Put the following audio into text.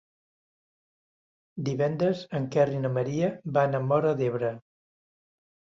Divendres en Quer i na Maria van a Móra d'Ebre.